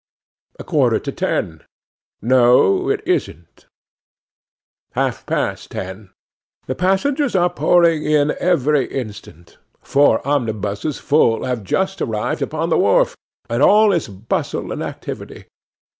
'A quarter to ten. 'NO, it isn't.' 'Half past ten. 'THE passengers are pouring in every instant. Four omnibuses full have just arrived upon the wharf, and all is bustle and activity.